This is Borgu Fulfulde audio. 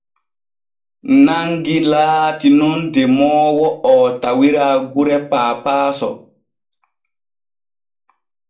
Nangi laati nun demoowo o tawira gure Paapaaso.